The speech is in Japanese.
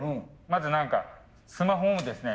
まず何かスマホをですね